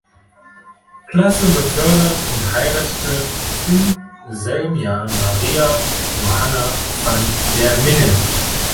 Klasse befördert und heiratete im selben Jahr Maria Johanna van der Minne.